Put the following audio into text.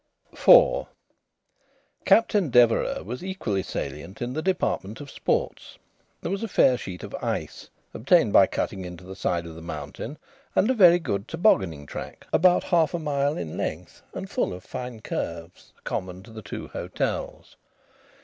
IV Captain Deverax was equally salient in the department of sports. There was a fair sheet of ice, obtained by cutting into the side of the mountain, and a very good tobogganing track, about half a mile in length and full of fine curves, common to the two hotels.